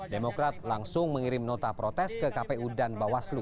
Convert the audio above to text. demokrat langsung mengirim nota protes ke kpu dan bawaslu